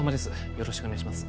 よろしくお願いします